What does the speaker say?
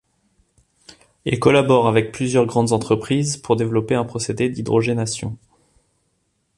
Il collabore avec plusieurs grandes entreprises pour développer un procédé d’hydrogénation.